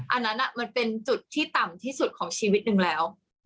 อันนั้นมันเป็นจุดที่ต่ำที่สุดของชีวิตหนึ่งแล้ว